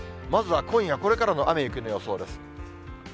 まずは今夜、これからの雨や雪の予想です。